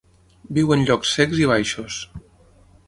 Viu en llocs secs i baixos.